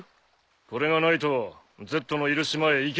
これがないとＺのいる島へ行けねえだろ。